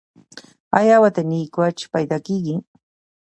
آیا وطني کوچ پیدا کیږي؟